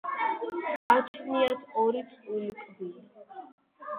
გააჩნიათ ორი წყვილი კბილი.